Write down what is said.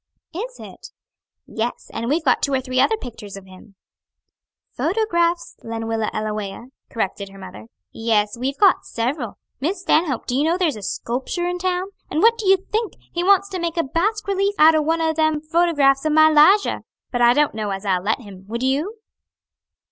"Is it?" "Yes, and we've got two or three other picters of him." "Photographs, Lenwilla Ellawea," corrected her mother. "Yes, we've got several. Miss Stanhope, do you know there's a sculpture in town? and what do you think? He wants to make a basque relief out o' one o' them photographs of my 'Lijah. But I don't know as I'll let him. Would you?"